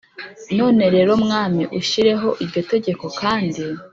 None rero mwami ushyireho iryo tegeko kandi